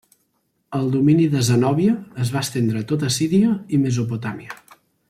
El domini de Zenòbia es va estendre a tota Síria i Mesopotàmia.